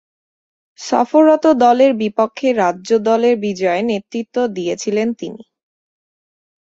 সফররত দলের বিপক্ষে রাজ্য দলের বিজয়ে নেতৃত্ব দিয়েছিলেন তিনি।